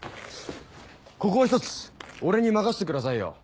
ここはひとつ俺に任せてくださいよ。